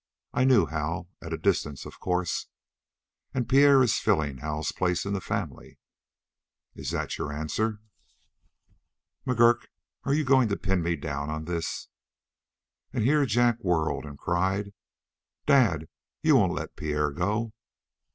I knew Hal; at a distance, of course." "And Pierre is filling Hal's place in the family." "Is that your answer?" "McGurk, are you going to pin me down in this?" And here Jack whirled and cried: "Dad, you won't let Pierre go!"